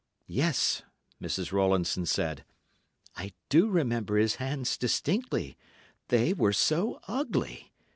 "Yes," Mrs. Rowlandson said; "I do remember his hands distinctly. They were so ugly!